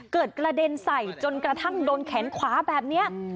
กระเด็นใส่จนกระทั่งโดนแขนขวาแบบนี้